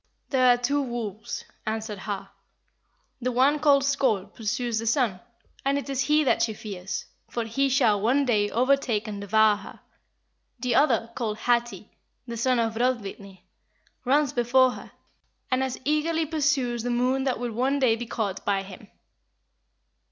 "There are two wolves," answered Har; "the one called Skoll pursues the sun, and it is he that she fears, for he shall one day overtake and devour her; the other, called Hati, the son of Hrodvitnir, runs before her, and as eagerly pursues the moon that will one day be caught by him."